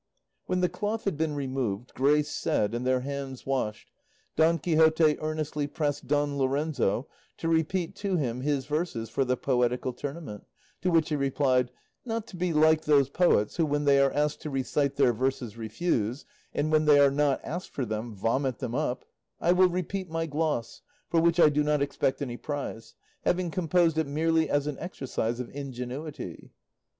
When the cloth had been removed, grace said and their hands washed, Don Quixote earnestly pressed Don Lorenzo to repeat to him his verses for the poetical tournament, to which he replied, "Not to be like those poets who, when they are asked to recite their verses, refuse, and when they are not asked for them vomit them up, I will repeat my gloss, for which I do not expect any prize, having composed it merely as an exercise of ingenuity."